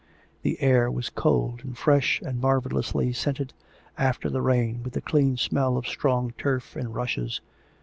The air was cold and fresh and marvellously scented, after the rain, with the clean smell of strong turf and rushes.